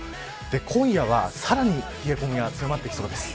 今夜は、さらに冷え込みが強まってきそうです。